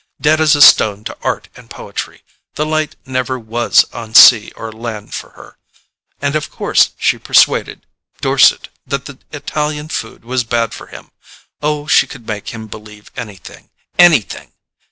Dead as a stone to art and poetry—the light never WAS on sea or land for her! And of course she persuaded Dorset that the Italian food was bad for him. Oh, she could make him believe anything—ANYTHING!